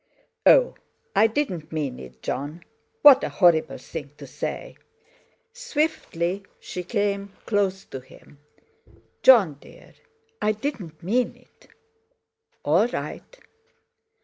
"Oh! I didn't mean it, Jon. What a horrible thing to say!" Swiftly she came close to him. "Jon, dear; I didn't mean it." "All right."